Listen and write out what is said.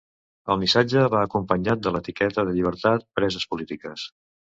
El missatge va acompanyat de l’etiqueta de ‘llibertat preses polítiques’.